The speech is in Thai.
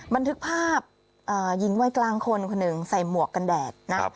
บันทึกภาพอ่ายิงไว้กลางคนคนนึงใส่หมวกกันแดดนะ